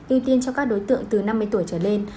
ưu tiên cho các đối tượng từ năm mươi tuổi trở lên